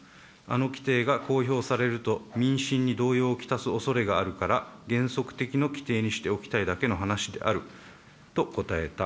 規定が公表されると民心に動揺をきたすおそれがあるから、原則的な規定にしておきたいだけの話であると答えた。